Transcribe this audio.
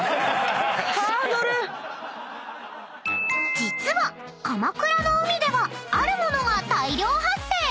［実は鎌倉の海ではあるものが大量発生！］